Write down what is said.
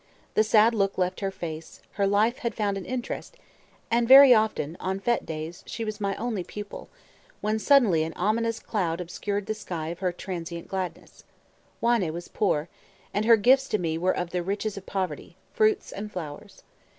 The sad look left her face, her life had found an interest; and very often, on fête days, she was my only pupil; when suddenly an ominous cloud obscured the sky of her transient gladness. Wanne was poor; and her gifts to me were of the riches of poverty, fruits and flowers.